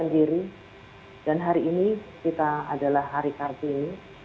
dan hari ini kita adalah hari kartu ini